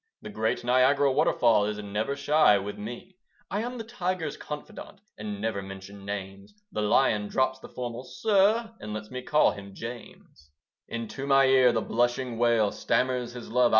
The great Niagara waterfall Is never shy with me. I am the tiger's confidant, And never mention names: The lion drops the formal "Sir," And lets me call him James. Into my ear the blushing Whale Stammers his love.